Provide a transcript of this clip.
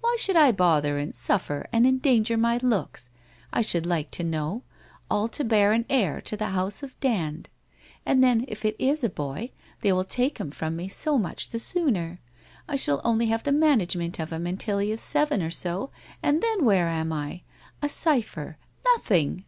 Why should I bother and suffer and endanger my looks, I should like to know, all to bear an heir to the house of Dand? And then, if it is a boy, they will take him from me so much the sooner. I shall only have the management of him until he is seven or so, and then where am I ? A cypher — nothing